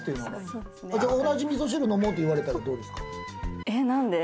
じゃあ「同じ味噌汁飲もう」って言われたらどうですか？